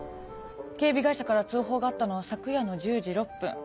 警備会社から通報があったのは昨夜の１０時６分。